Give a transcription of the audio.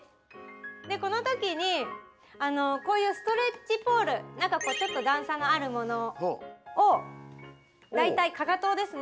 でこのときにこういうストレッチポールなんかちょっとだんさのあるものをだいたいかかとですね